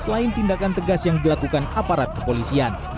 selain tindakan tegas yang dilakukan aparat kepolisian